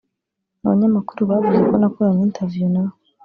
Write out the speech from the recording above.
Abanyamakuru bavuze ko nakoranye interview nabo